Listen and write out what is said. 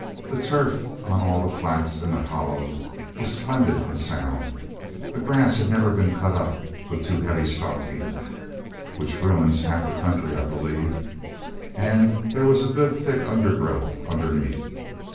The turf on all the flats in the Hollow was splendid and sound. The grass had never been cut up with too heavy stocking (which ruins half the country, I believe), and there was a good thick undergrowth underneath.